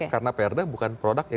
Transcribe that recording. karena perda bukan produk yang